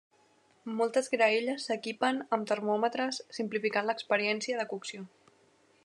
Moltes graelles s'equipen amb termòmetres, simplificant l'experiència de cocció.